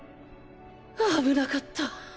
危なかった。